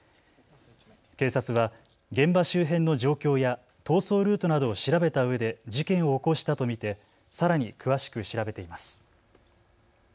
警察は現場周辺の状況や逃走ルートなどを調べたうえで事件を起こしたと見てさらに詳しく調べています。